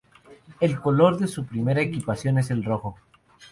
El color de su primera equipación es el rojo.